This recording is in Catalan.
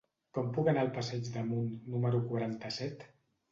Com puc anar al passeig d'Amunt número quaranta-set?